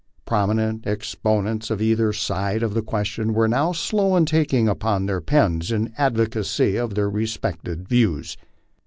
Prominent exponents of either side of the question were not slow in taking np their pens in advocacy of their respective views.